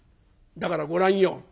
だからご覧よ